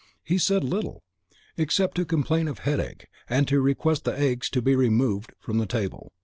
He said little, except to complain of headache, and to request the eggs to be removed from the table.